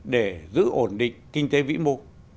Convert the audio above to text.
để giữ ổn định kinh tế vĩ mô